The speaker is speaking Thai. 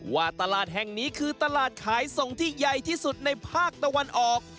ว่าตลาดแห่งนี้คือตลาดขายส่งที่ใหญ่ที่สุดในภาคตะวันออก